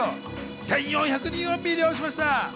１４００人を魅了しました。